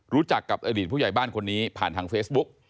รู้จักกับอดีตผู้ใหญ่บ้านคนนี้ผ่านทางเฟซบุ๊ก